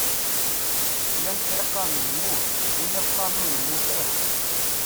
Llan kra qqaren yemmut, wiyaḍ qqaren ur yemmut ara.